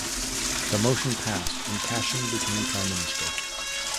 The motion passed and Cashin became Prime Minister.